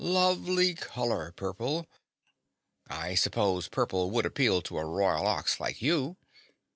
Lovely color, purple!" "I suppose purple would appeal to a Royal Ox like you."